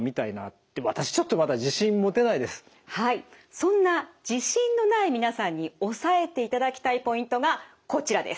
そんな自信のない皆さんに押さえていただきたいポイントがこちらです。